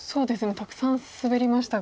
たくさんスベりましたが。